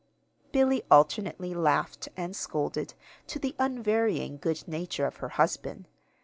Billy alternately laughed and scolded, to the unvarying good nature of her husband.